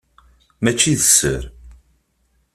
Mačči d sser.